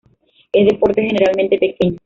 Es de porte generalmente pequeño.